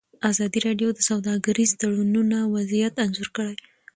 ازادي راډیو د سوداګریز تړونونه وضعیت انځور کړی.